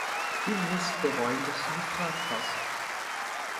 Du wirst bereuen, dass du gefragt hast.